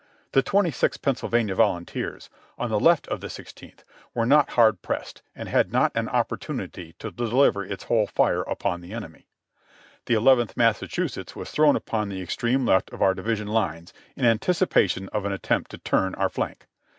The Twenty sixth Pennsylvania Volunteers, on the left of the Sixteenth, were not hard pressed, and had not an oppor tunity to deliver its whole fire upon the enemy. "The Eleventh Massachusetts was thrown upon the extreme left of our division lines, in anticipation of an attempt to turn our flank.